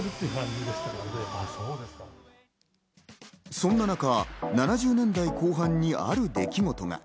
そんな中、７０年代後半にある出来事が。